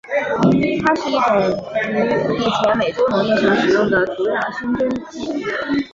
它是一种于以前美洲农业上使用的土壤熏蒸剂。